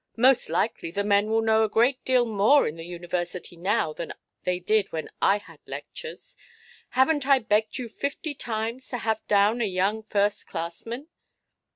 Most likely the men know a great deal more in the University now than they did when I had lectures. Havenʼt I begged you fifty times to have down a young first–classman"?